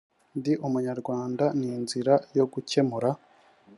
ndi umunyarwanda ni inzira yo gukemura